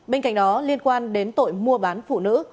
bên cạnh đó liên quan đến tội mua bán phụ nữ